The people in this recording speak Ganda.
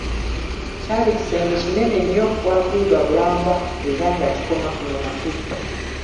Kyali kisenge kinene nnyo, bwaguuga bulamba era nga kikoma kuno na kuli.